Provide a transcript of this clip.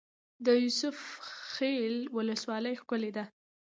د یوسف خیل ولسوالۍ ښکلې ده